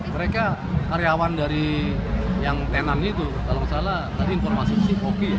mereka karyawan dari yang tenan itu kalau salah tadi informasi sih koki ya